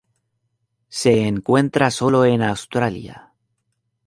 Se encuentra sólo en Australia.